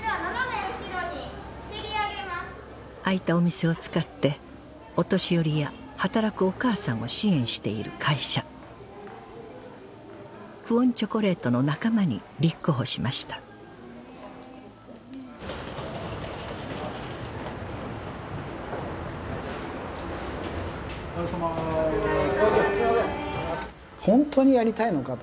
空いたお店を使ってお年寄りや働くお母さんを支援している会社「久遠チョコレート」の仲間に立候補しましたお疲れさま。